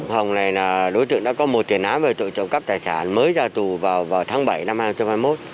hồng này là đối tượng đã có một tiền án về tội trộm cắp tài sản mới ra tù vào tháng bảy năm hai nghìn hai mươi một